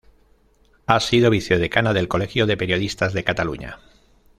Ha sido vicedecana del Colegio de Periodistas de Cataluña.